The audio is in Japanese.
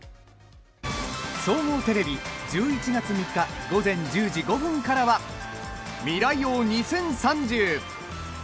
総合テレビ１１月３日午前１０時５分からは「未来王２０３０」。